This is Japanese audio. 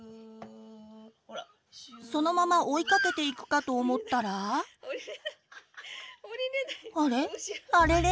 そのまま追いかけていくかと思ったらあれあれれ？